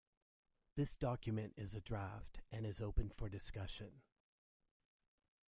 This document is a draft, and is open for discussion